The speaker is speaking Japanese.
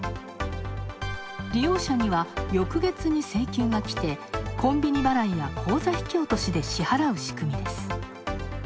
利用者には翌月に請求が来て、コンビニ払いや口座引き落としで支払う仕組みです。